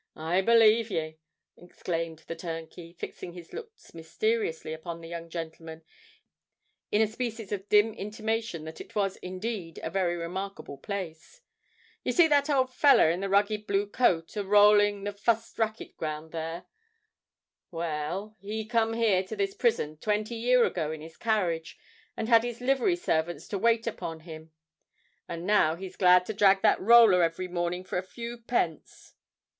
"I b'lieve ye!" exclaimed the turnkey, fixing his looks mysteriously upon the young gentleman in a species of dim intimation that it was indeed a very remarkable place. "You see that old feller in the rugged blue coat, a rolling the fust racquet ground there? Well—he come here to this prison twenty year ago in his carriage, and had his livery servants to wait upon him; and now he's glad to drag that roller every morning for a few pence."